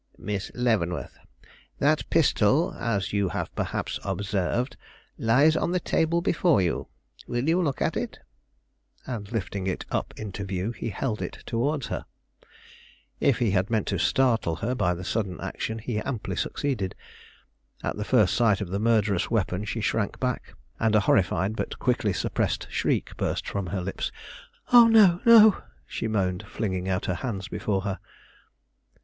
"Miss Leavenworth, that pistol, as you have perhaps observed, lies on the table before you. Will you look at it?" And lifting it up into view, he held it towards her. If he had meant to startle her by the sudden action, he amply succeeded. At the first sight of the murderous weapon she shrank back, and a horrified, but quickly suppressed shriek, burst from her lips. "Oh, no, no!" she moaned, flinging out her hands before her.